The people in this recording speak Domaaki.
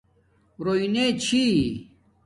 رݸئ نے چھی